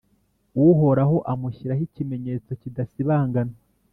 Uhoraho amushyiraho ikimenyetso kidasibangana,